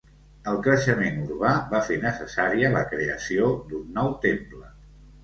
El creixement urbà va fer necessària la creació d'un nou temple.